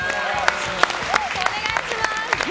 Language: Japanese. お願いします。